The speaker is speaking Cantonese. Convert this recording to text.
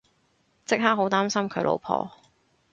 即刻好擔心佢老婆